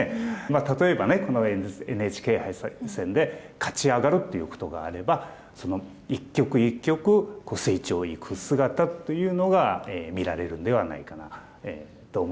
例えばこのＮＨＫ杯戦で勝ち上がるっていうことがあれば一局一局成長いく姿が見られるんではないかなと思いますね。